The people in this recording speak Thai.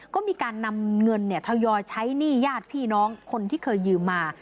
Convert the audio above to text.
ก็มีการนำเงินทยอยใช้หนี้ญาติพี่น้องคนที่เคยยืมมา